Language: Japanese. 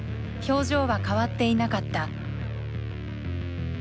表情は変わっていなかった。